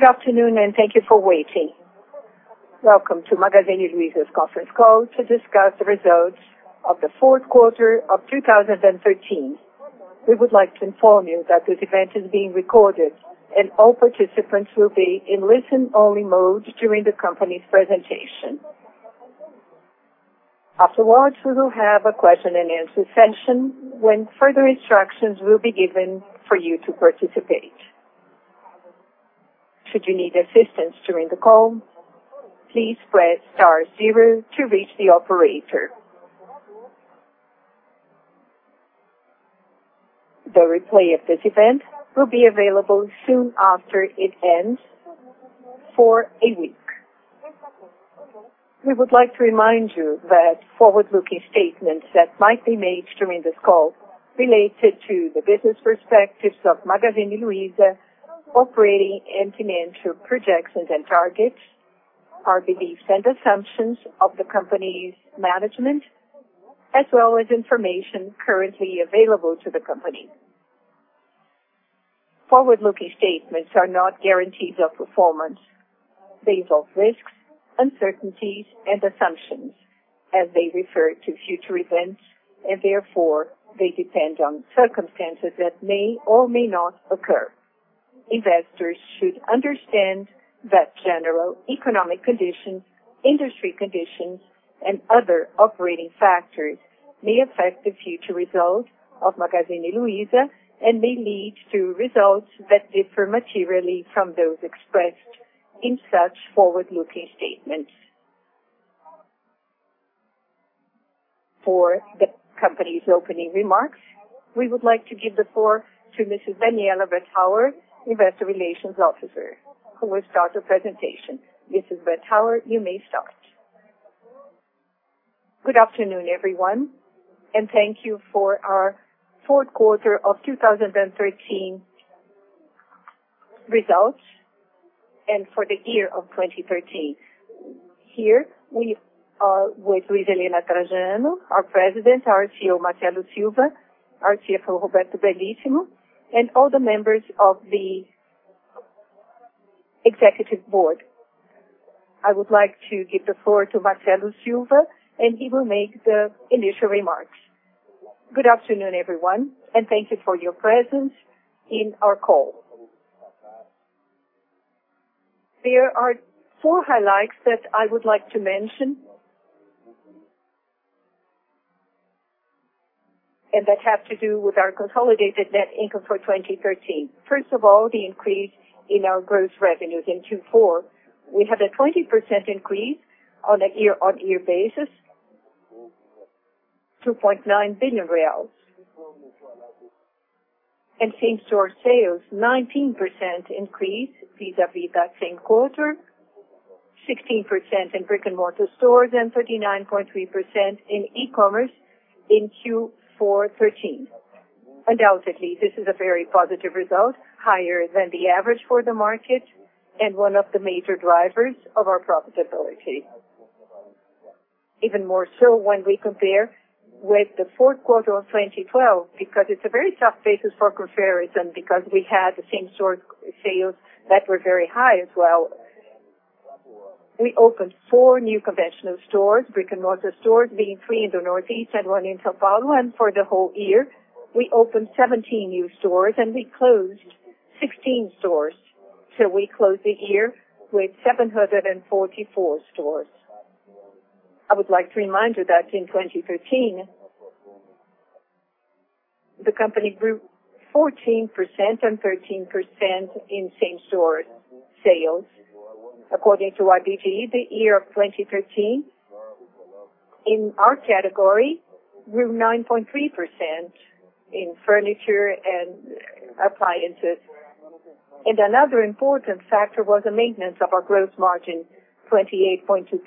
Good afternoon, thank you for waiting. Welcome to Magazine Luiza's conference call to discuss the results of the fourth quarter of 2013. We would like to inform you that this event is being recorded, all participants will be in listen-only mode during the company's presentation. Afterwards, we will have a question-and-answer session, when further instructions will be given for you to participate. Should you need assistance during the call, please press star zero to reach the operator. The replay of this event will be available soon after it ends for a week. We would like to remind you that forward-looking statements that might be made during this call related to the business perspectives of Magazine Luiza, operating and financial projections and targets, our beliefs and assumptions of the company's management, as well as information currently available to the company. Forward-looking statements are not guarantees of performance. They involve risks, uncertainties, assumptions as they refer to future events, therefore, they depend on circumstances that may or may not occur. Investors should understand that general economic conditions, industry conditions, other operating factors may affect the future results of Magazine Luiza may lead to results that differ materially from those expressed in such forward-looking statements. For the company's opening remarks, we would like to give the floor to Mrs. Daniela Vergueiro, Investor Relations Officer, who will start the presentation. Mrs. Vergueiro, you may start. Good afternoon, everyone, thank you for our fourth quarter of 2013 results for the year of 2013. Here we are with Luiza Helena Trajano, our President, our CEO, Marcelo Silva, our CFO, Roberto Bellissimo, all the members of the executive board. I would like to give the floor to Marcelo Silva, he will make the initial remarks. Good afternoon, everyone, thank you for your presence in our call. There are 4 highlights that I would like to mention, that have to do with our consolidated net income for 2013. First of all, the increase in our gross revenues in Q4. We have a 20% increase on a year-on-year basis, 2.9 billion BRL. Same-store sales, 19% increase vis-a-vis that same quarter, 16% in brick-and-mortar stores 39.3% in e-commerce in Q4 2013. Undoubtedly, this is a very positive result, higher than the average for the market one of the major drivers of our profitability. Even more so when we compare with the fourth quarter of 2012, because it's a very tough basis for comparison because we had the same-store sales that were very high as well. We opened 4 new conventional stores, brick-and-mortar stores, being 3 in the Northeast 1 in São Paulo. For the whole year, we opened 17 new stores we closed 16 stores. We closed the year with 744 stores. I would like to remind you that in 2013, the company grew 14% 13% in same-store sales. According to IBGE, the year of 2013, in our category, grew 9.3% in furniture and appliances. Another important factor was the maintenance of our gross margin, 28.2%,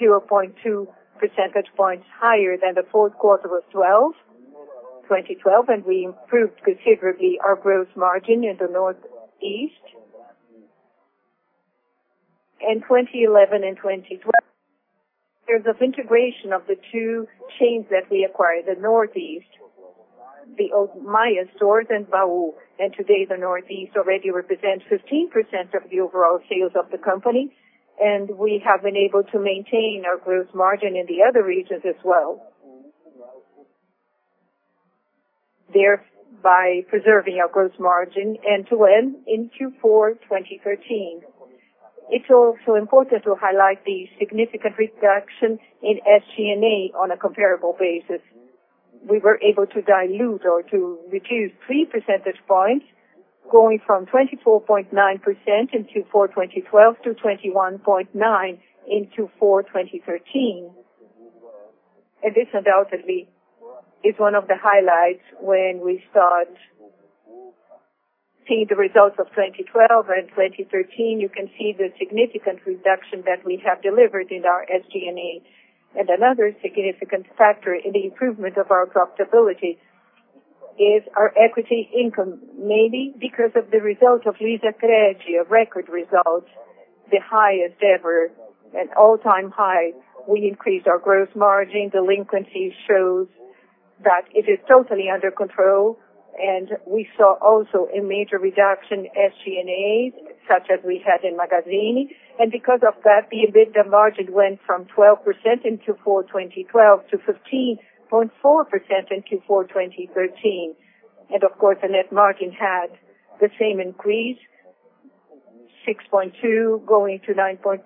0.2 percentage points higher than the fourth quarter of 2012, we improved considerably our gross margin in the Northeast. In 2011 and 2012, there's the integration of the two chains that we acquired, the Northeast, the Lojas Maia Lojas do Baú. Today, the Northeast already represents 15% of the overall sales of the company, we have been able to maintain our gross margin in the other regions as well, thereby preserving our gross margin and to end in Q4 2013. It's also important to highlight the significant reduction in SG&A on a comparable basis. We were able to dilute or to reduce three percentage points, going from 24.9% in Q4 2012 to 21.9% in Q4 2013. This undoubtedly is one of the highlights when we start seeing the results of 2012 and 2013. You can see the significant reduction that we have delivered in our SG&A. Another significant factor in the improvement of our profitability is our equity income. Mainly because of the result of Luizacred, a record result, the highest ever, an all-time high. We increased our gross margin, delinquency shows that it is totally under control. We saw also a major reduction in SG&As, such as we had in Magazine. Because of that, the EBITDA margin went from 12% in Q4 2012 to 15.4% in Q4 2013. Of course, the net margin had the same increase, 6.2% going to 9.1%.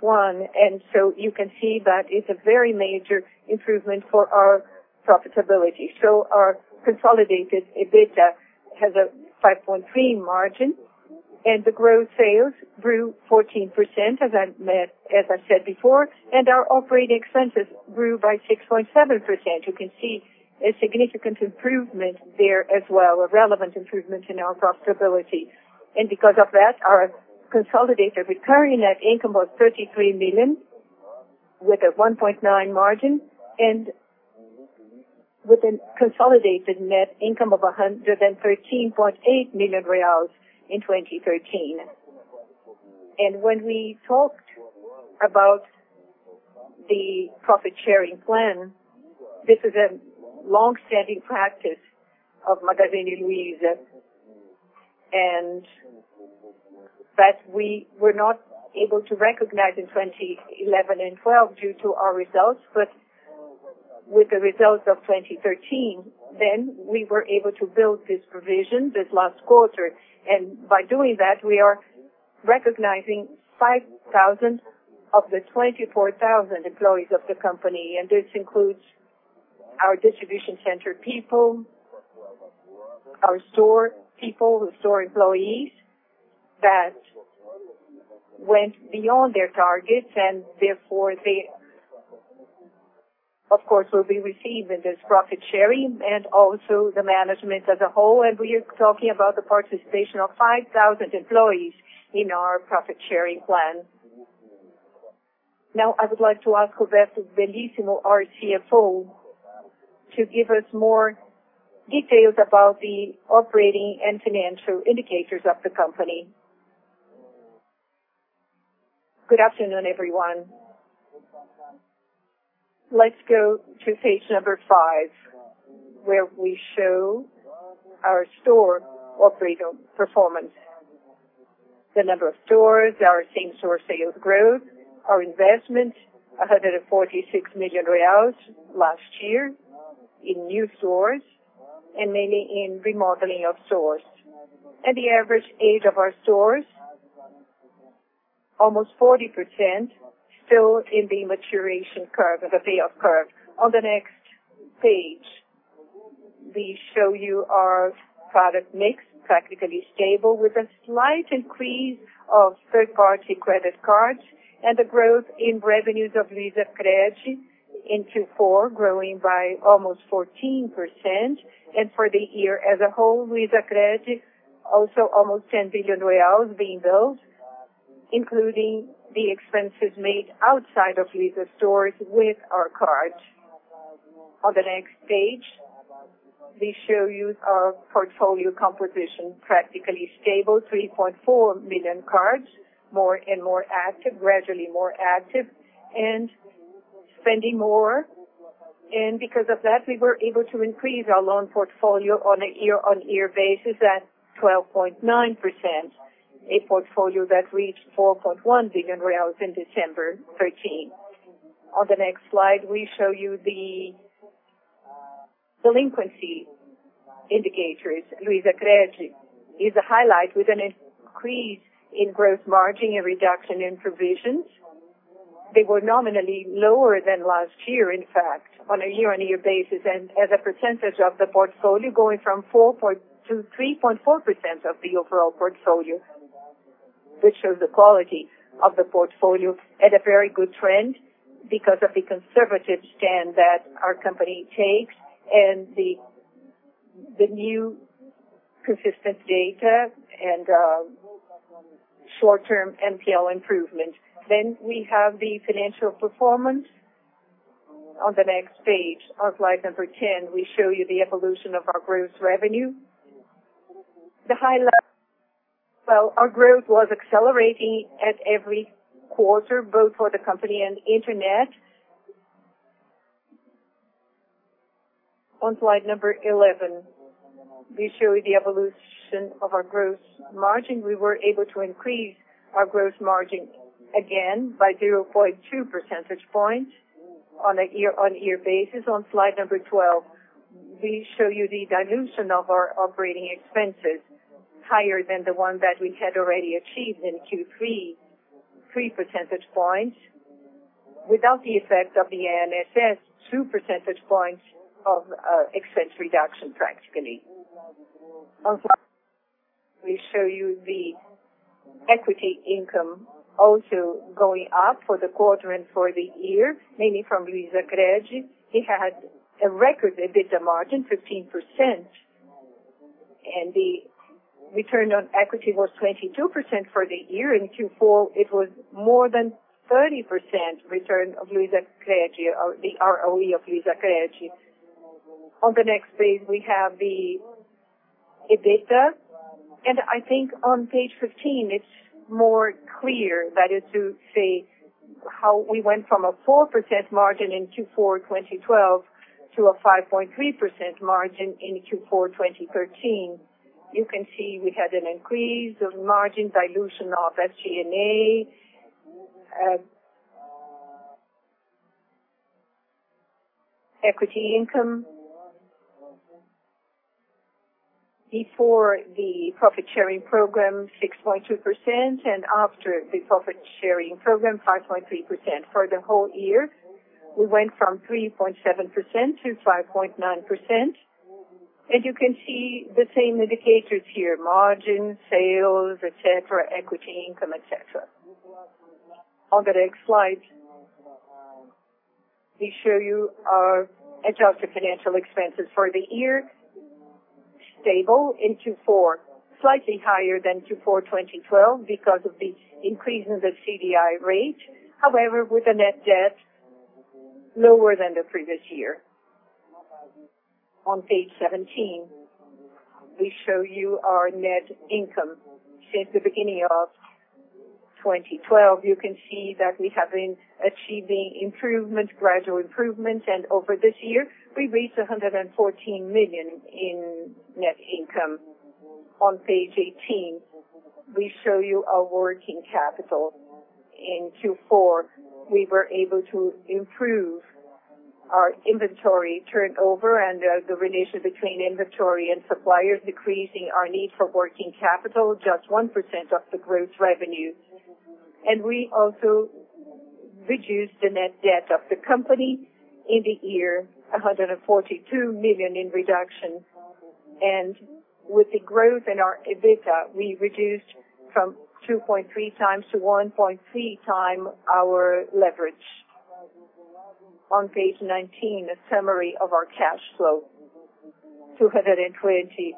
You can see that it's a very major improvement for our profitability. Our consolidated EBITDA has a 5.3% margin, the gross sales grew 14%, as I said before, our operating expenses grew by 6.7%. You can see a significant improvement there as well, a relevant improvement in our profitability. Because of that, our consolidated recurring net income was 33 million with a 1.9% margin and with a consolidated net income of 113.8 million reais in 2013. When we talked about the profit-sharing plan, this is a long-standing practice of Magazine Luiza, that we were not able to recognize in 2011 and 2012 due to our results. With the results of 2013, we were able to build this provision this last quarter. By doing that, we are recognizing 5,000 of the 24,000 employees of the company. This includes our distribution center people, our store people, the store employees that went beyond their targets, therefore they, of course, will be receiving this profit-sharing and also the management as a whole. We are talking about the participation of 5,000 employees in our profit-sharing plan. Now, I would like to ask Roberto Bellissimo, our CFO, to give us more details about the operating and financial indicators of the company. Good afternoon, everyone. Let's go to page number five, where we show our store operating performance. The number of stores, our same-store sales growth, our investment, 146 million reais last year in new stores and mainly in remodeling of stores. The average age of our stores, almost 40%, still in the maturation curve, in the payoff curve. On the next page, we show you our product mix, practically stable, with a slight increase of third-party credit cards and a growth in revenues of Luizacred in Q4, growing by almost 14%. For the year as a whole, Luizacred also almost 10 billion reais being built, including the expenses made outside of Luiza's stores with our cards. On the next page, we show you our portfolio composition, practically stable, 3.4 million cards, more and more active, gradually more active and spending more. Because of that, we were able to increase our loan portfolio on a year-on-year basis at 12.9%, a portfolio that reached 4.1 billion reais in December 2013. On the next slide, we show you the delinquency indicators. Luizacred is a highlight with an increase in gross margin, a reduction in provisions. They were nominally lower than last year, in fact, on a year-on-year basis. As a percentage of the portfolio, going from 4.2% to 3.4% of the overall portfolio, which shows the quality of the portfolio at a very good trend because of the conservative stand that our company takes and the new consistent data and short-term NPL improvement. We have the financial performance on the next page. On slide number 10, we show you the evolution of our gross revenue. The highlight, well, our growth was accelerating at every quarter, both for the company and internet. On slide number 11, we show you the evolution of our gross margin. We were able to increase our gross margin again by 0.2 percentage points on a year-on-year basis. On slide number 12, we show you the dilution of our operating expenses, higher than the one that we had already achieved in Q3, 3 percentage points. Without the effect of the INSS, 2 percentage points of expense reduction, practically. We show you the equity income also going up for the quarter and for the year, mainly from Luizacred. It had a record EBITDA margin, 15%, and the return on equity was 22% for the year. In Q4, it was more than 30% return of Luizacred, the ROE of Luizacred. On the next page, we have the EBITDA. I think on page 15, it is more clear. That is to say, how we went from a 4% margin in Q4 2012 to a 5.3% margin in Q4 2013. You can see we had an increase of margin dilution of SG&A, equity income. Before the profit-sharing program, 6.2%, and after the profit-sharing program, 5.3%. For the whole year, we went from 3.7% to 5.9%, you can see the same indicators here: margin, sales, equity income, et cetera. On the next slide, we show you our adjusted financial expenses for the year. Stable in Q4. Slightly higher than Q4 2012 because of the increase in the CDI rate. However, with the net debt, lower than the previous year. On page 17, we show you our net income since the beginning of 2012. You can see that we have been achieving gradual improvement, and over this year, we reached 114 million in net income. On page 18, we show you our working capital. In Q4, we were able to improve our inventory turnover and the relation between inventory and suppliers, decreasing our need for working capital, just 1% of the gross revenue. We also reduced the net debt of the company in the year, 142 million in reduction. With the growth in our EBITDA, we reduced from 2.3 times to 1.3 times our leverage. On page 19, a summary of our cash flow. 220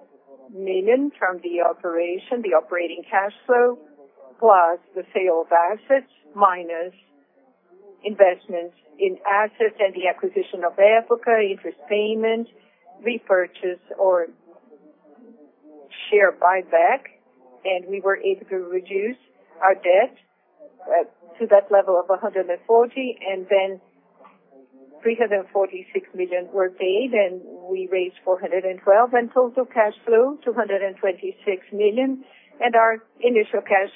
million from the operation, the operating cash flow, plus the sale of assets, minus investments in assets and the acquisition of Africa, interest payment, repurchase or share buyback. We were able to reduce our debt to that level of 140, then 346 million were paid, we raised 412 million, total cash flow, 226 million. Our initial cash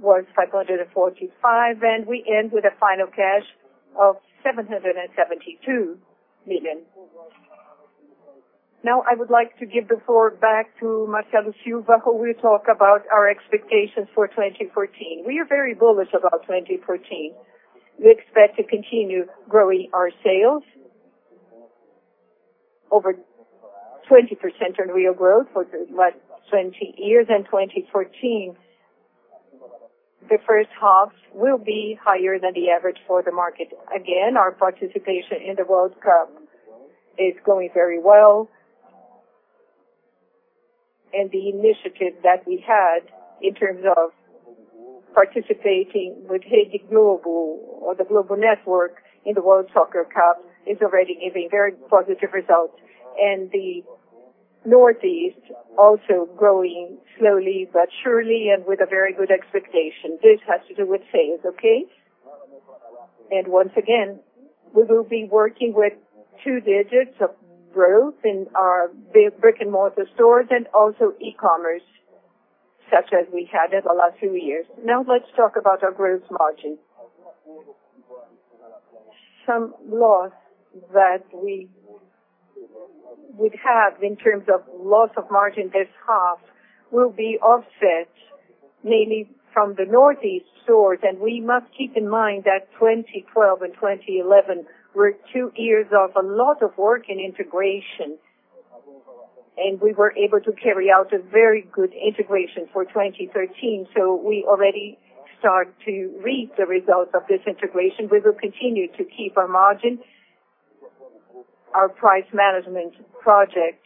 was 545, we end with a final cash of 772 million. Now I would like to give the floor back to Marcelo Silva, who will talk about our expectations for 2014. We are very bullish about 2014. We expect to continue growing our sales over 20% in real growth for the last 20 years. 2014, the first half will be higher than the average for the market. Again, our participation in the World Cup is going very well. The initiative that we had in terms of participating with Rede Globo or the Global Network in the World Cup is already giving very positive results. The Northeast also growing slowly but surely and with a very good expectation. This has to do with sales, okay? Once again, we will be working with two digits of growth in our big brick-and-mortar stores and also e-commerce, such as we had in the last few years. Now let's talk about our gross margin. Some loss that we would have in terms of loss of margin this half will be offset mainly from the Northeast stores. We must keep in mind that 2012 and 2011 were two years of a lot of work in integration, and we were able to carry out a very good integration for 2013. We already start to reap the results of this integration. We will continue to keep our margin. Our price management project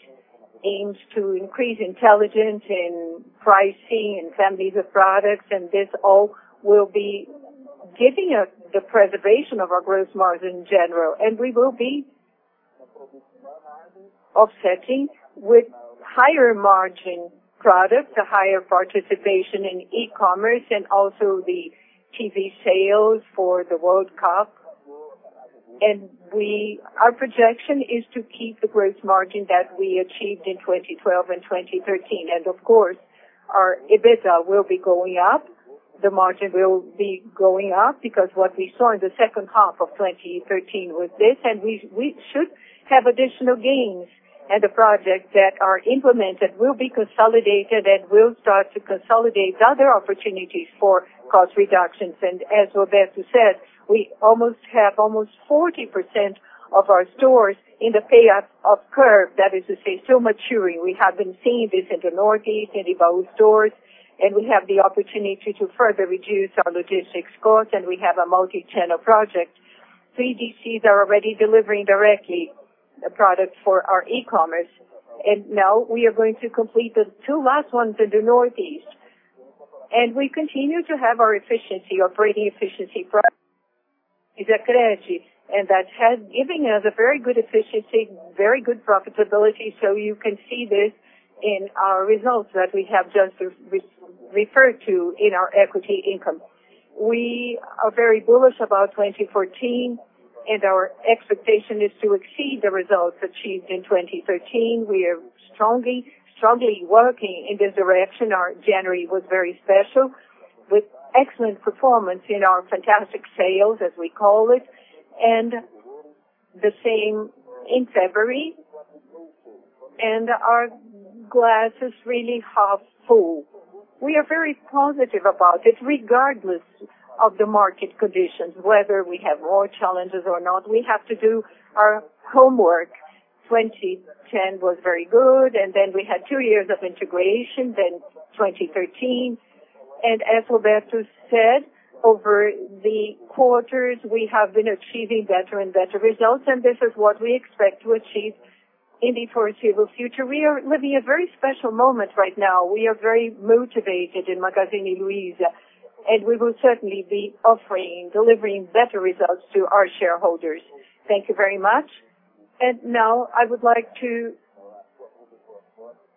aims to increase intelligence in pricing and families of products, and this all will be giving us the preservation of our gross margin in general. We will be offsetting with higher-margin products, a higher participation in e-commerce, and also the TV sales for the World Cup. Our projection is to keep the gross margin that we achieved in 2012 and 2013. Of course, our EBITDA will be going up. The margin will be going up because what we saw in the second half of 2013 was this, and we should have additional gains, and the projects that are implemented will be consolidated, and we'll start to consolidate other opportunities for cost reductions. As Roberto said, we have almost 40% of our stores in the payoff curve. That is to say, still maturing. We have been seeing this in the Northeast, in the Baú stores, and we have the opportunity to further reduce our logistics cost, and we have a multi-channel project. Three DCs are already delivering directly the product for our e-commerce. Now we are going to complete the two last ones in the Northeast. We continue to have our operating efficiency project. It accretes. That has given us a very good efficiency, very good profitability. You can see this in our results that we have just referred to in our equity income. We are very bullish about 2014, and our expectation is to exceed the results achieved in 2013. We are strongly working in this direction. Our January was very special, with excellent performance in our fantastic sales, as we call it, and the same in February. Our glass is really half full. We are very positive about it, regardless of the market conditions, whether we have more challenges or not. We have to do our homework. 2010 was very good. Then we had two years of integration, then 2013. As Roberto Bellissimo Rodrigues said, over the quarters, we have been achieving better and better results, and this is what we expect to achieve in the foreseeable future. We are living a very special moment right now. We are very motivated in Magazine Luiza. We will certainly be offering and delivering better results to our shareholders. Thank you very much. Now I would like to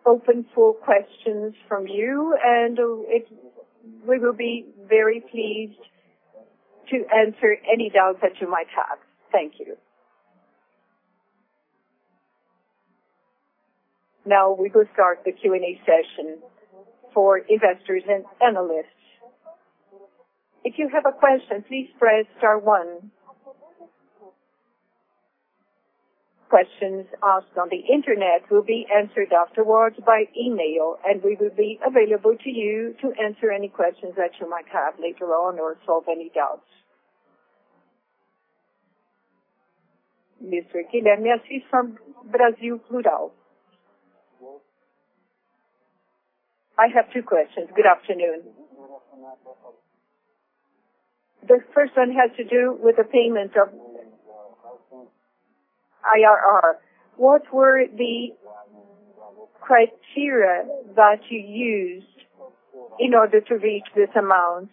open for questions from you. We will be very pleased to answer any doubts that you might have. Thank you. Now we will start the Q&A session for investors and analysts. If you have a question, please press star one. Questions asked on the internet will be answered afterwards by email. We will be available to you to answer any questions that you might have later on or solve any doubts. Ms. Guilhermina, from Brasil Plural. I have two questions. Good afternoon. Good afternoon. The first one has to do with the payment of IRR. What were the criteria that you used in order to reach this amount?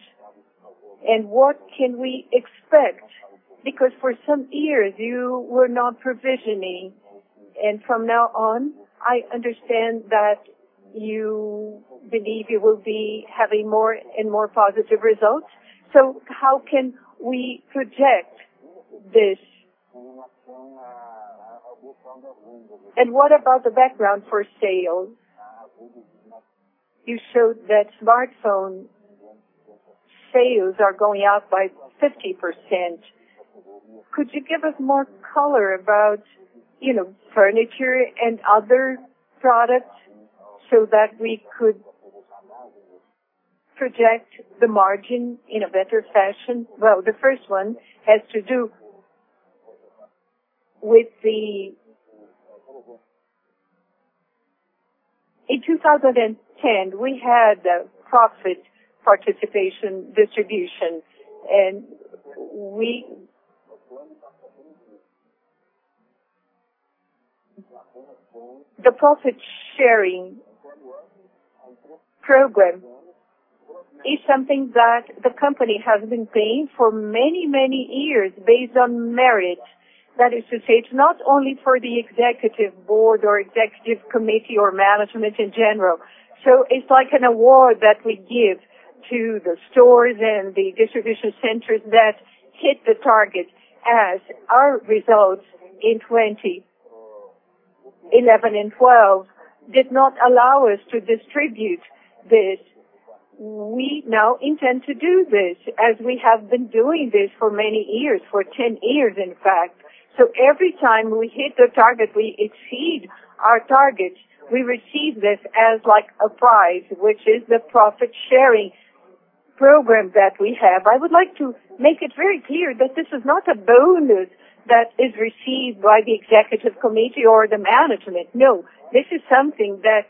What can we expect? Because for some years you were not provisioning. From now on, I understand that you believe you will be having more and more positive results. How can we project this? What about the background for sales? You showed that smartphone sales are going up by 50%. Could you give us more color about furniture and other products so that we could project the margin in a better fashion? The first one has to do with the. In 2010, we had a profit participation distribution. The profit-sharing program is something that the company has been paying for many, many years based on merit. It's not only for the executive board or executive committee or management in general. It's like an award that we give to the stores and the distribution centers that hit the targets. As our results in 2011 and 2012 did not allow us to distribute this, we now intend to do this, as we have been doing this for many years, for 10 years, in fact. Every time we hit the target, we exceed our targets. We receive this as a prize, which is the profit-sharing program that we have. I would like to make it very clear that this is not a bonus that is received by the executive committee or the management. This is something that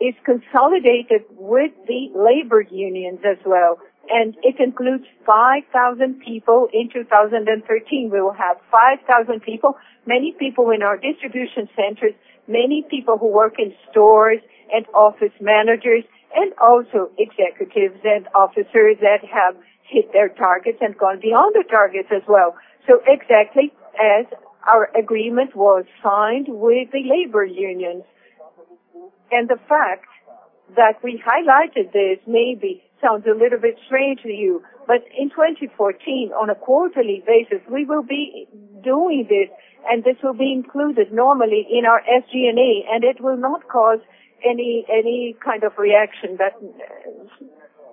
is consolidated with the labor unions as well, and it includes 5,000 people. In 2013, we will have 5,000 people, many people in our distribution centers, many people who work in stores and office managers, and also executives and officers that have hit their targets and gone beyond the targets as well. Exactly as our agreement was signed with the labor unions. The fact that we highlighted this maybe sounds a little bit strange to you, but in 2014, on a quarterly basis, we will be doing this, and this will be included normally in our SG&A, and it will not cause any kind of reaction that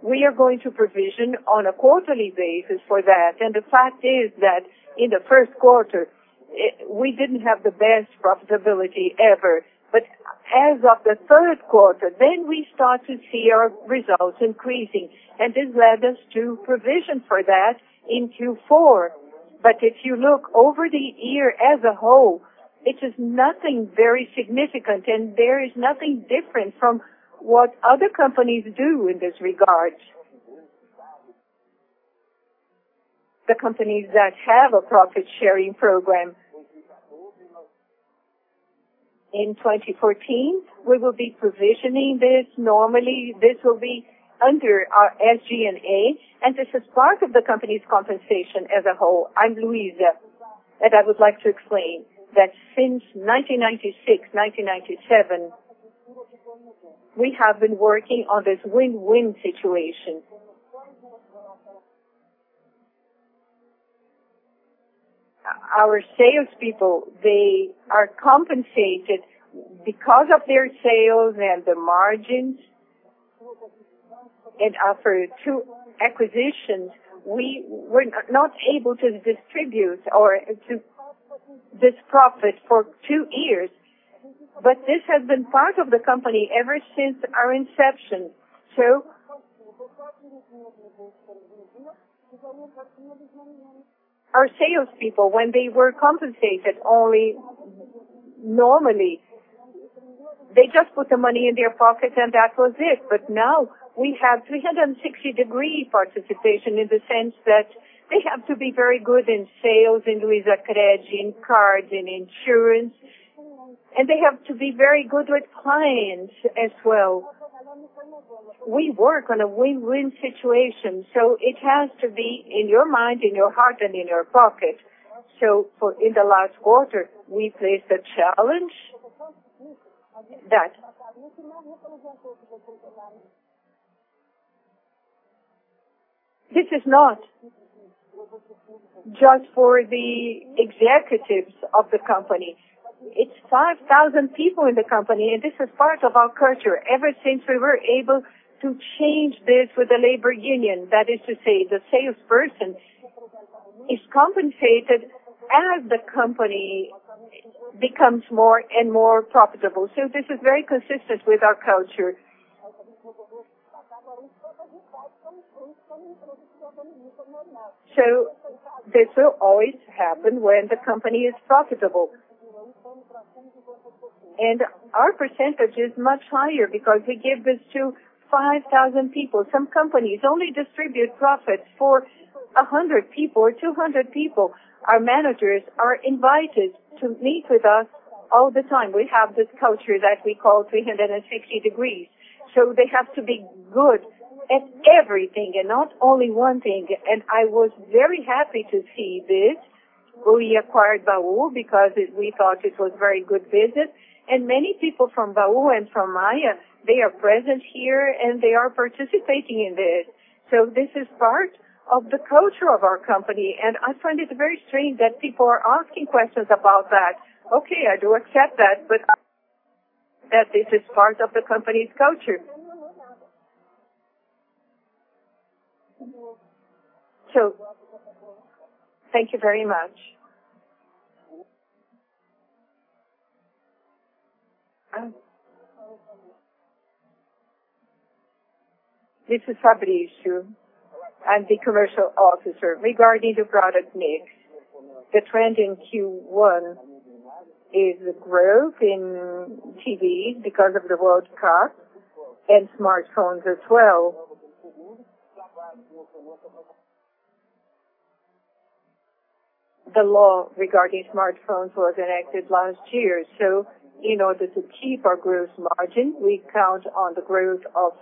we are going to provision on a quarterly basis for that. The fact is that in the first quarter, we didn't have the best profitability ever. As of the third quarter, we start to see our results increasing, and this led us to provision for that in Q4. If you look over the year as a whole, it is nothing very significant, and there is nothing different from what other companies do in this regard. The companies that have a profit-sharing program. In 2014, we will be provisioning this. Normally, this will be under our SG&A, and this is part of the company's compensation as a whole. I'm Luiza, and I would like to explain that since 1996, 1997, we have been working on this win-win situation. Our salespeople, they are compensated because of their sales and the margins. After two acquisitions, we were not able to distribute this profit for two years. This has been part of the company ever since our inception. Our salespeople, when they were compensated only normally, they just put the money in their pocket, and that was it. Now we have 360-degree participation in the sense that they have to be very good in sales, in Luizacred, in cards, in insurance, and they have to be very good with clients as well. We work on a win-win situation, it has to be in your mind, in your heart, and in your pocket. For in the last quarter, we placed a challenge that this is not just for the executives of the company. It's 5,000 people in the company, and this is part of our culture ever since we were able to change this with the labor union. The salesperson is compensated as the company becomes more and more profitable. This is very consistent with our culture. This will always happen when the company is profitable. Our percentage is much higher because we give this to 5,000 people. Some companies only distribute profits for 100 people or 200 people. Our managers are invited to meet with us all the time. We have this culture that we call 360 degrees. They have to be good at everything and not only one thing. I was very happy to see this. We acquired Baú because we thought it was very good business. Many people from Baú and from Maia, they are present here, and they are participating in this. This is part of the culture of our company, and I find it very strange that people are asking questions about that. Okay, I do accept that, but that this is part of the company's culture. Thank you very much. This is Fabrício. I'm the Commercial Officer. Regarding the product mix, the trend in Q1 is growth in TVs because of the World Cup and smartphones as well. The law regarding smartphones was enacted last year. In order to keep our gross margin, we count on the growth of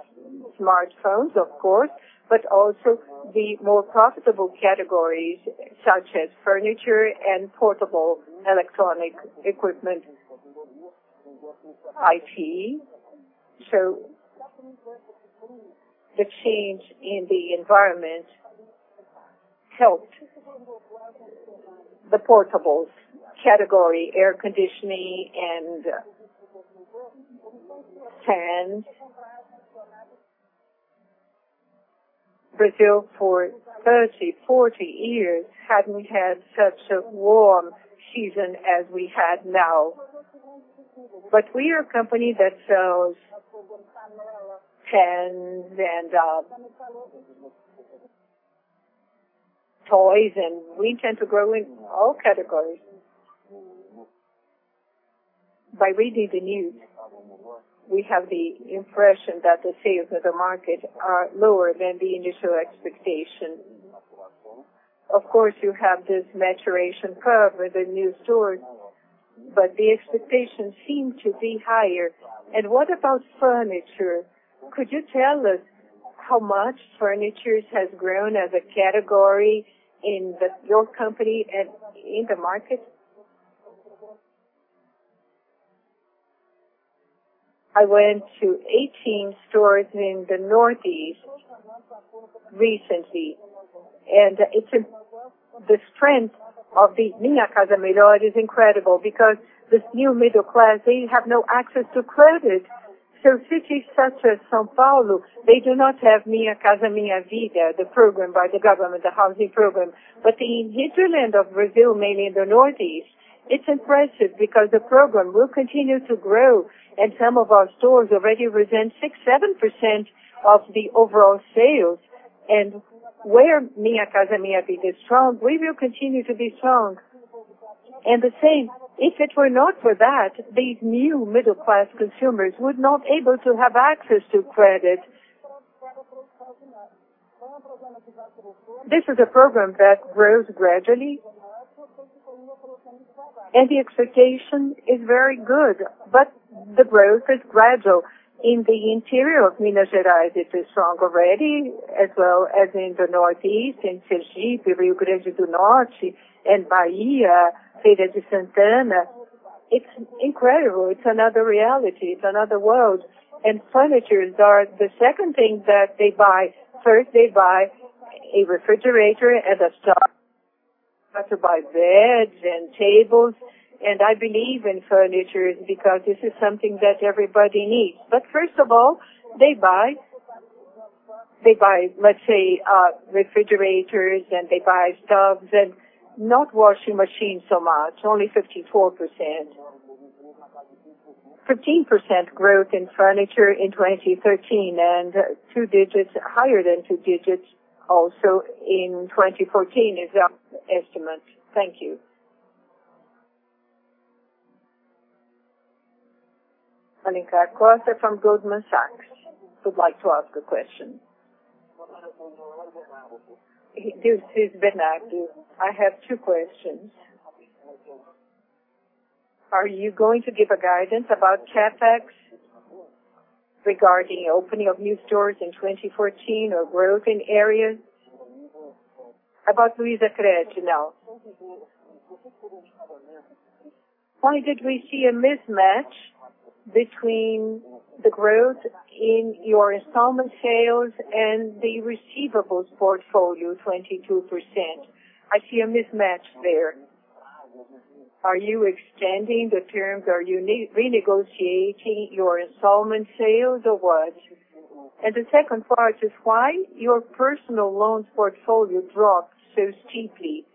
smartphones, of course, but also the more profitable categories, such as furniture and portable electronic equipment, IT. The change in the environment helped the portables category, air conditioning, and fans. Brazil, for 30, 40 years, hadn't had such a warm season as we have now. We are a company that sells fans and toys, and we intend to grow in all categories. By reading the news, we have the impression that the sales of the market are lower than the initial expectation. Of course, you have this maturation curve with the new stores, but the expectations seem to be higher. What about furniture? Could you tell us how much furniture has grown as a category in your company and in the market? I went to 18 stores in the Northeast recently, and the strength of the Minha Casa Melhor is incredible because this new middle class, they have no access to credit. Cities such as São Paulo, they do not have Minha Casa, Minha Vida, the program by the government, the housing program. In the hinterland of Brazil, mainly in the Northeast, it's impressive because the program will continue to grow, and some of our stores already represent 6%, 7% of the overall sales. Where Minha Casa, Minha Vida is strong, we will continue to be strong. The same, if it were not for that, these new middle-class consumers would not able to have access to credit. This is a program that grows gradually, and the expectation is very good, but the growth is gradual. In the interior of Minas Gerais, it is strong already, as well as in the Northeast, in Sergipe, Rio Grande do Norte, and Bahia, Feira de Santana. It's incredible. It's another reality. It's another world. Furniture is the second thing that they buy. First, they buy a refrigerator and a stove. After, they buy beds and tables. I believe in furniture because this is something that everybody needs. First of all, they buy, let's say, refrigerators, and they buy stoves and not washing machines so much, only 54%. 15% growth in furniture in 2013, and higher than two digits also in 2014 is our estimate. Thank you. Irma Sgarz from Goldman Sachs would like to ask a question. This is Bernardo. I have two questions. Are you going to give a guidance about CapEx regarding opening of new stores in 2014 or growth in areas? About Luizacred now. Why did we see a mismatch between the growth in your installment sales and the receivables portfolio, 22%? I see a mismatch there. Are you extending the terms? Are you renegotiating your installment sales or what? The second part is why your personal loans portfolio dropped so steeply.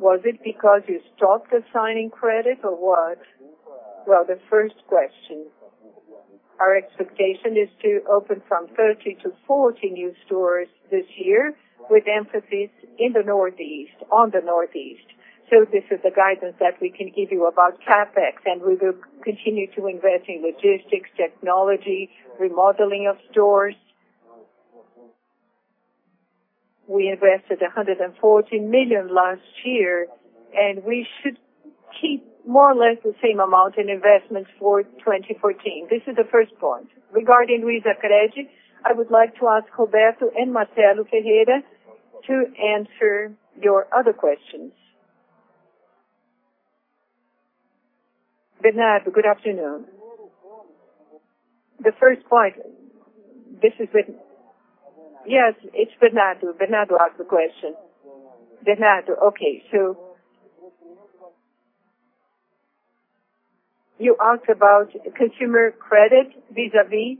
Was it because you stopped assigning credit or what? Well, the first question. Our expectation is to open from 30 to 40 new stores this year with emphasis on the Northeast. This is the guidance that we can give you about CapEx, and we will continue to invest in logistics, technology, remodeling of stores. We invested 140 million last year, and we should keep more or less the same amount in investments for 2014. This is the first point. Regarding Luizacred, I would like to ask Roberto and Marcelo Ferreira to answer your other questions. Bernardo, good afternoon. The first point. Yes, it's Bernardo. Bernardo asked the question. Bernardo, okay. You asked about consumer credit vis-a-vis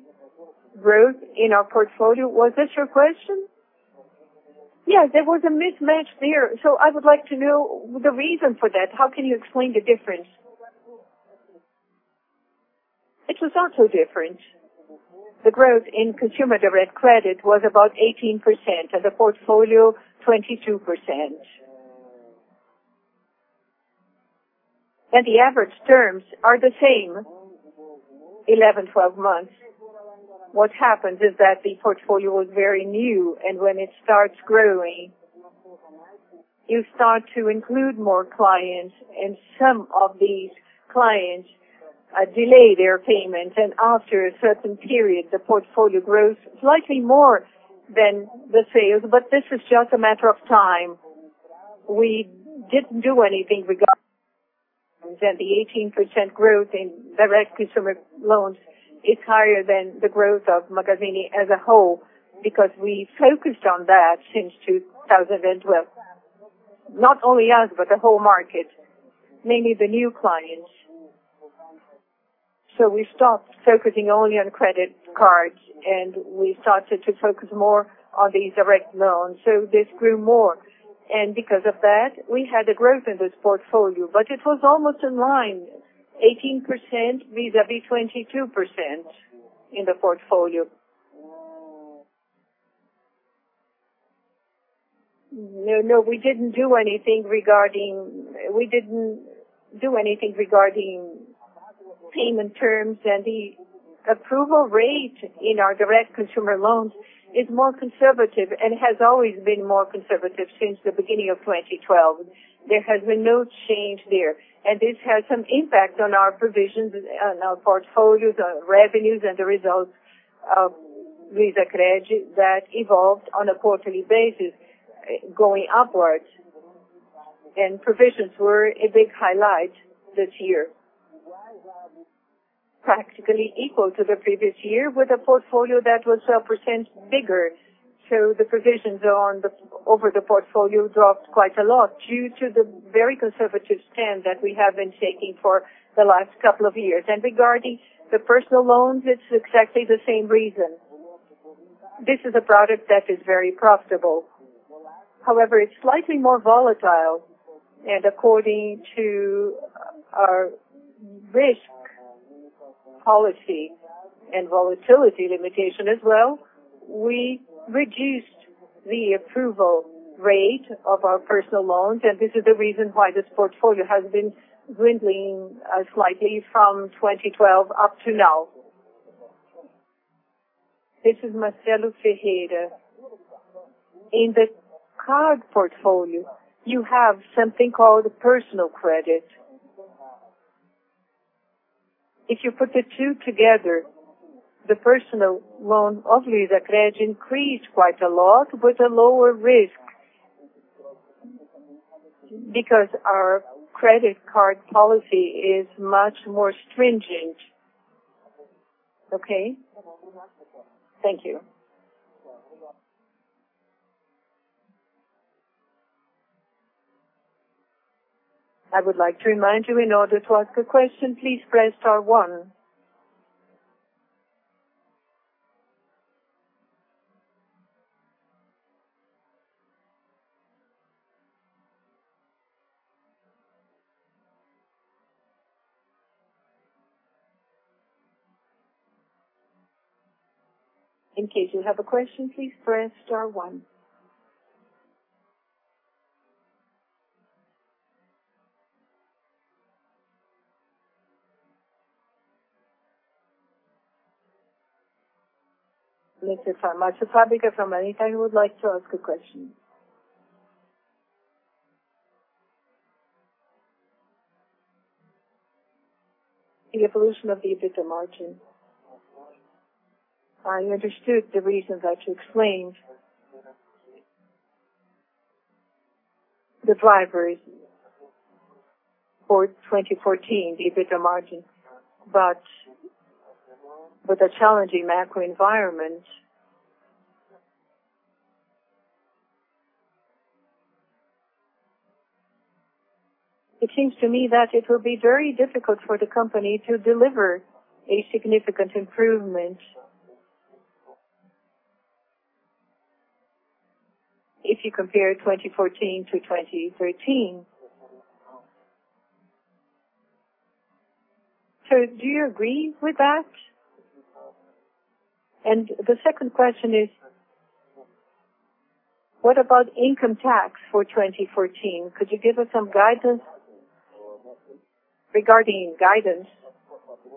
growth in our portfolio. Was this your question? Yeah, there was a mismatch there. I would like to know the reason for that. How can you explain the difference? It was not so different. The growth in consumer direct credit was about 18%, and the portfolio, 22%. The average terms are the same, 11, 12 months. What happened is that the portfolio was very new, and when it starts growing, you start to include more clients, and some of these clients delay their payment. After a certain period, the portfolio grows slightly more than the sales, but this is just a matter of time. We didn't do anything regarding-- The 18% growth in direct consumer loans is higher than the growth of Magazine as a whole because we focused on that since 2012. Not only us, but the whole market, mainly the new clients. We stopped focusing only on credit cards, and we started to focus more on these direct loans. This grew more, and because of that, we had a growth in this portfolio, but it was almost in line, 18% vis-a-vis 22% in the portfolio. No, we didn't do anything regarding payment terms, and the approval rate in our direct consumer loans is more conservative and has always been more conservative since the beginning of 2012. There has been no change there, and this has some impact on our provisions, on our portfolios, our revenues, and the results of Luizacred that evolved on a quarterly basis, going upwards. Provisions were a big highlight this year. Practically equal to the previous year with a portfolio that was 12% bigger. The provisions over the portfolio dropped quite a lot due to the very conservative stand that we have been taking for the last couple of years. Regarding the personal loans, it's exactly the same reason. This is a product that is very profitable. However, it's slightly more volatile, and according to our risk policy and volatility limitation as well, we reduced The approval rate of our personal loans, and this is the reason why this portfolio has been dwindling slightly from 2012 up to now. This is Marcelo Ferreira. In the card portfolio, you have something called personal credit. If you put the two together, the personal loan of Luizacred increased quite a lot with a lower risk, because our credit card policy is much more stringent. Okay. Thank you. I would like to remind you, in order to ask a question, please press star one. In case you have a question, please press star one. This is from [Marcia Fabrica] from [Anita], who would like to ask a question. The evolution of the EBITDA margin. I understood the reasons that you explained, the drivers for 2014 EBITDA margin. With a challenging macro environment, it seems to me that it will be very difficult for the company to deliver a significant improvement, if you compare 2014 to 2013. Do you agree with that? The second question is, what about income tax for 2014? Could you give us some guidance? Regarding guidance,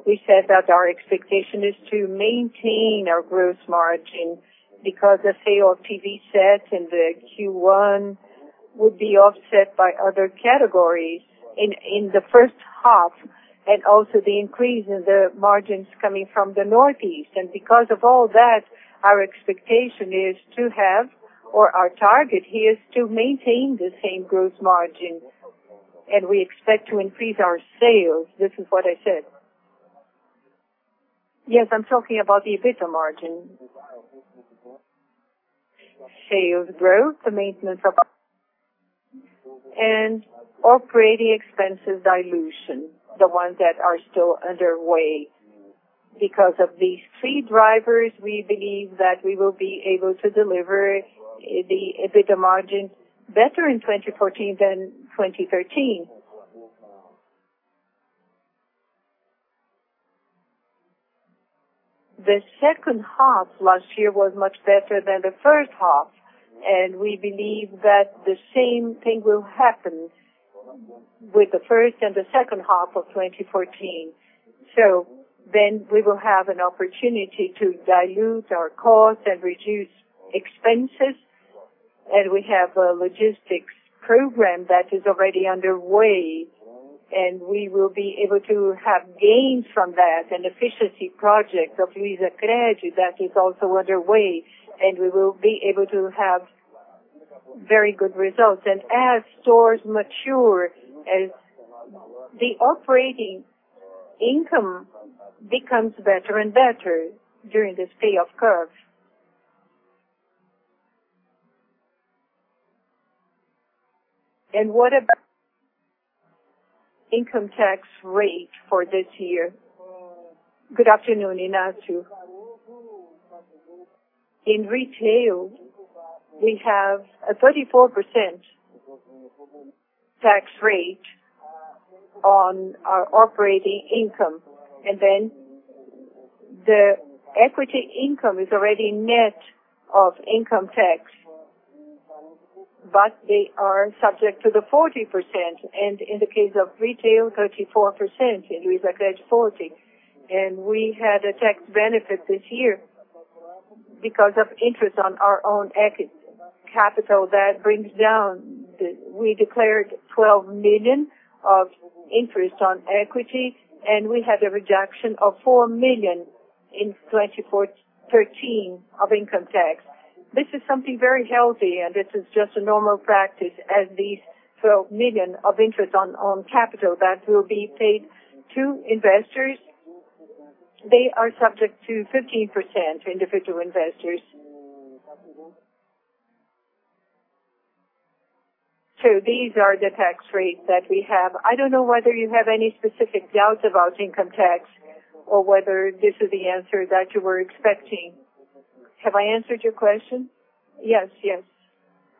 we said that our expectation is to maintain our gross margin because the flat TV sets in the Q1 would be offset by other categories in the first half, also the increase in the margins coming from the Northeast. Because of all that, our expectation is to have, or our target here is to maintain the same gross margin. We expect to increase our sales. This is what I said. Yes, I'm talking about the EBITDA margin. Sales growth, the maintenance of, operating expenses dilution, the ones that are still underway. Of these three drivers, we believe that we will be able to deliver the EBITDA margin better in 2014 than 2013. The second half last year was much better than the first half, we believe that the same thing will happen with the first and the second half of 2014. We will have an opportunity to dilute our costs and reduce expenses. We have a logistics program that is already underway, we will be able to have gains from that, an efficiency project of Luizacred that is also underway, we will be able to have very good results. As stores mature, as the operating income becomes better and better during this payoff curve. What about income tax rate for this year? Good afternoon, Inacio. In retail, we have a 34% tax rate on our operating income. The equity income is already net of income tax, but they are subject to 40%, and in the case of retail, 34%, in Luizacred, 40%. We had a tax benefit this year because of interest on our own capital that brings down. We declared 12 million of interest on equity, and we had a reduction of 4 million in 2013 of income tax. This is something very healthy, and this is just a normal practice as these 12 million of interest on capital that will be paid to investors. They are subject to 15% individual investors. These are the tax rates that we have. I don't know whether you have any specific doubts about income tax or whether this is the answer that you were expecting. Have I answered your question? Yes.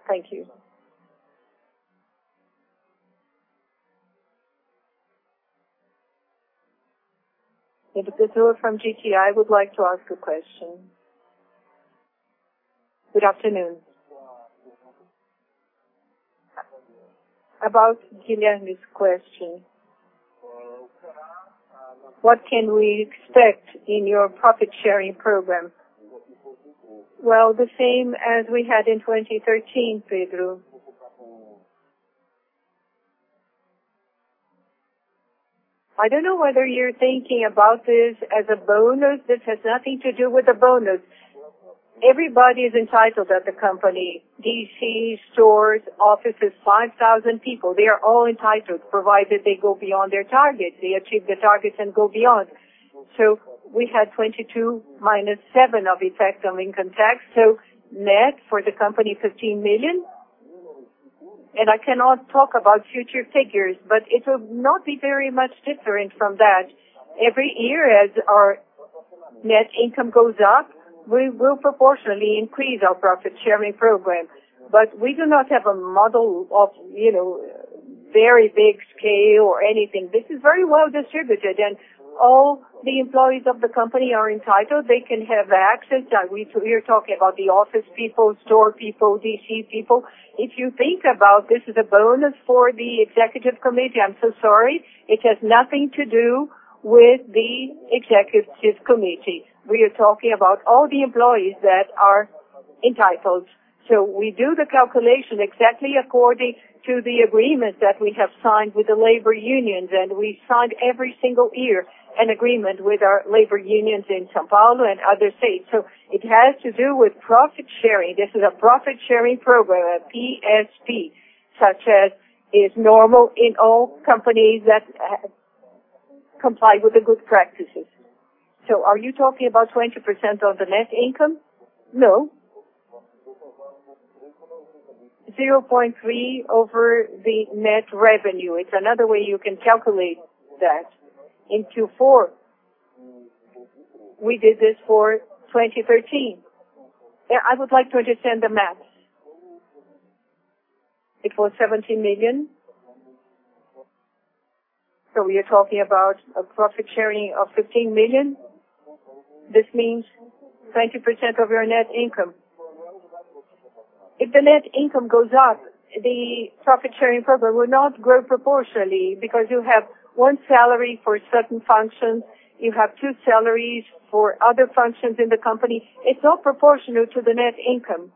Thank you. [Pedro] from GTI would like to ask a question. Good afternoon. About Guilhermina's question, what can we expect in your profit-sharing program? Well, the same as we had in 2013, Pedro. I don't know whether you're thinking about this as a bonus. This has nothing to do with a bonus. Everybody is entitled at the company. DC, stores, offices, 5,000 people, they are all entitled, provided they go beyond their targets. They achieve the targets and go beyond. We had 22 minus 7 of effect on income tax. Net for the company, 15 million. I cannot talk about future figures, but it will not be very much different from that. Every year as our net income goes up, we will proportionally increase our profit-sharing program. We do not have a model of very big scale or anything. This is very well distributed, and all the employees of the company are entitled. They can have access. We are talking about the office people, store people, DC people. If you think about this as a bonus for the executive committee, I'm so sorry. It has nothing to do with the executive committee. We are talking about all the employees that are entitled. We do the calculation exactly according to the agreement that we have signed with the labor unions, and we sign every single year an agreement with our labor unions in São Paulo and other states. It has to do with profit sharing. This is a profit-sharing program, a PSP, such as is normal in all companies that comply with the good practices. Are you talking about 20% of the net income? No. 0.3% over the net revenue. It's another way you can calculate that in Q4. We did this for 2013. I would like to understand the math. It was 17 million. We are talking about a profit sharing of 15 million. This means 20% of your net income. If the net income goes up, the profit-sharing program will not grow proportionally because you have one salary for certain functions. You have two salaries for other functions in the company. It's not proportional to the net income.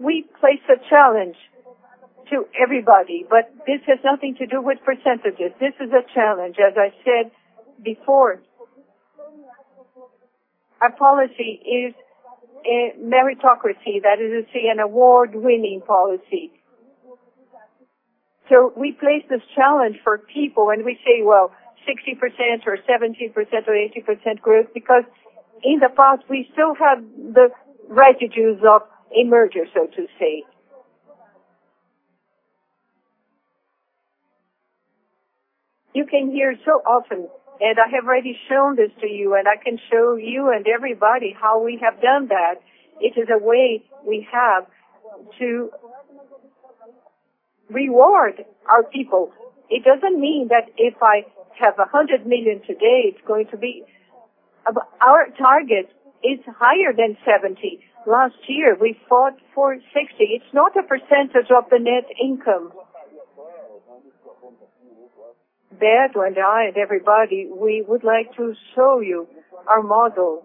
We place a challenge to everybody, but this has nothing to do with percentages. This is a challenge. As I said before, our policy is a meritocracy. That is to say, an award-winning policy. We place this challenge for people, we say, 60% or 70% or 80% growth because in the past we still have the residues of a merger, so to say. You came here so often, I have already shown this to you, I can show you and everybody how we have done that. It is a way we have to reward our people. It doesn't mean that if I have 100 million today, it's going to be. Our target is higher than 70%. Last year, we fought for 60%. It's not a percentage of the net income. Pedro and I and everybody, we would like to show you our model.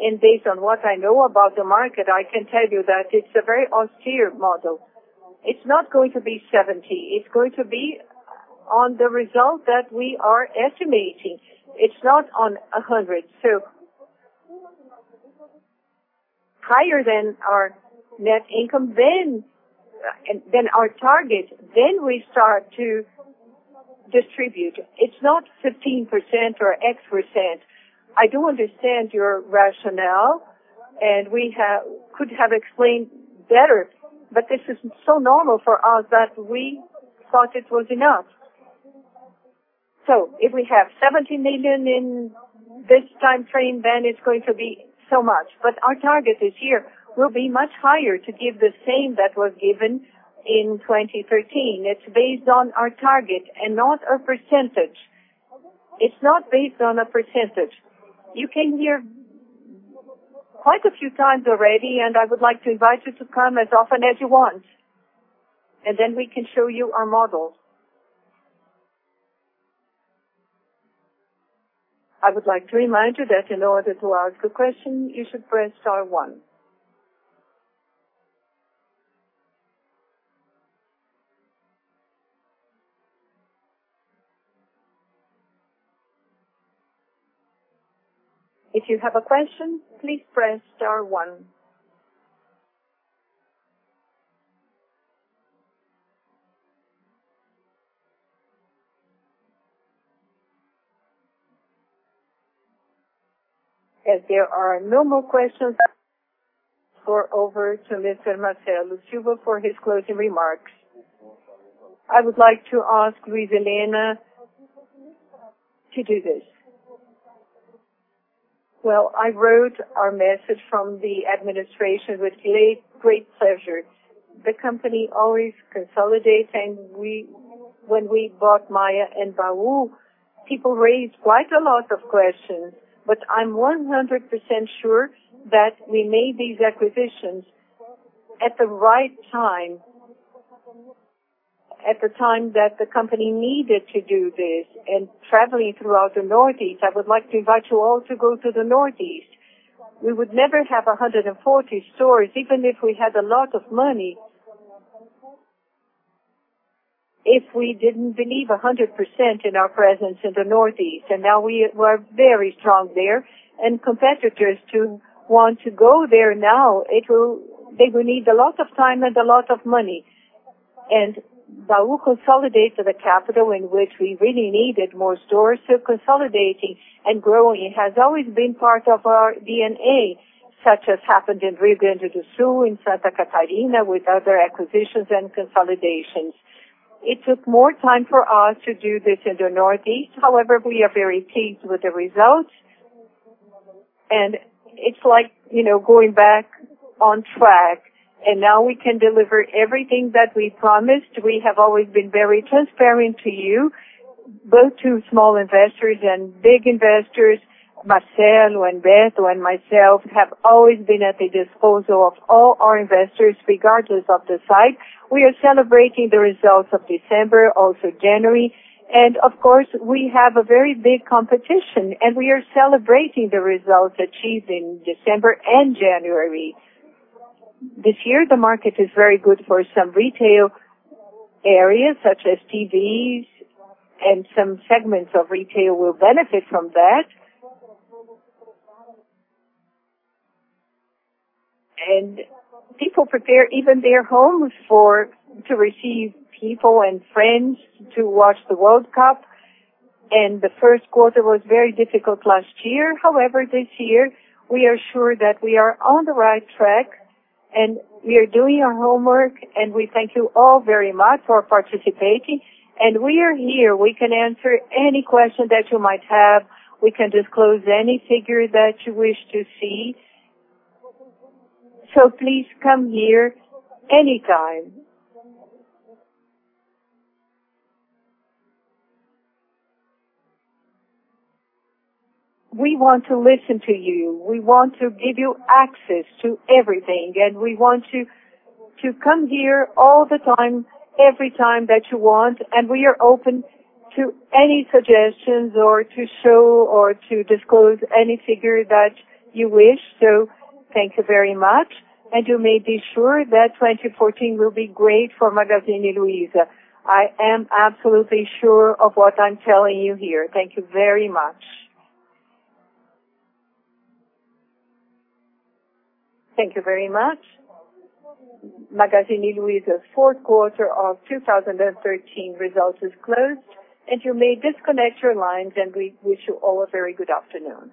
Based on what I know about the market, I can tell you that it's a very austere model. It's not going to be 70%. It's going to be on the result that we are estimating. It's not on 100. Higher than our net income, than our target, we start to distribute. It's not 15% or X percent. I do understand your rationale, we could have explained better, this is so normal for us that we thought it was enough. If we have 17 million in this time frame, it's going to be so much. Our target this year will be much higher to give the same that was given in 2013. It's based on our target, not a percentage. It's not based on a percentage. You came here quite a few times already, I would like to invite you to come as often as you want, we can show you our model. I would like to remind you that in order to ask a question, you should press star one. If you have a question, please press star one. As there are no more questions, over to Mr. Marcelo Silva for his closing remarks. I would like to ask Luiza Helena to do this. I wrote our message from the administration with great pleasure. The company always consolidates, when we bought Maia and Baú, people raised quite a lot of questions, I'm 100% sure that we made these acquisitions at the right time, at the time that the company needed to do this. Traveling throughout the Northeast, I would like to invite you all to go to the Northeast. We would never have 140 stores, even if we had a lot of money, if we didn't believe 100% in our presence in the Northeast, now we are very strong there. Competitors who want to go there now, they will need a lot of time, a lot of money. Baú consolidated a capital in which we really needed more stores. Consolidating and growing has always been part of our DNA, such as happened in Rio Grande do Sul, in Santa Catarina, with other acquisitions, consolidations. It took more time for us to do this in the Northeast. However, we are very pleased with the results, it's like going back on track. Now we can deliver everything that we promised. We have always been very transparent to you, both to small investors and big investors. Marcelo and Beto and myself have always been at the disposal of all our investors, regardless of the size. We are celebrating the results of December, also January. Of course, we have a very big competition, and we are celebrating the results achieved in December and January. This year, the market is very good for some retail areas, such as TVs, and some segments of retail will benefit from that. People prepare even their homes to receive people and friends to watch the 2014 FIFA World Cup. The first quarter was very difficult last year. However, this year, we are sure that we are on the right track, and we are doing our homework, and we thank you all very much for participating. We are here. We can answer any question that you might have. We can disclose any figure that you wish to see. Please come here anytime. We want to listen to you. We want to give you access to everything, and we want you to come here all the time, every time that you want, and we are open to any suggestions or to show or to disclose any figure that you wish. Thank you very much, and you may be sure that 2014 will be great for Magazine Luiza. I am absolutely sure of what I'm telling you here. Thank you very much. Thank you very much. Magazine Luiza Q4 2013 results is closed, and you may disconnect your lines, and we wish you all a very good afternoon.